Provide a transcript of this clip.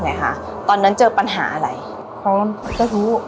เนี้ยฮะตอนนั้นเจอปัญหาอะไรของเจ้าชู้